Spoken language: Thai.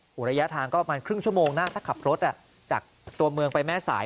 ระยะทางก็ประมาณครึ่งชั่วโมงนะถ้าขับรถจากตัวเมืองไปแม่สาย